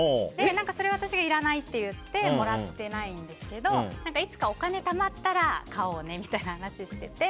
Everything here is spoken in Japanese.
それは、私がいらないって言ってもらってないんですけどいつかお金がたまったら買おうねみたいな話をしてて。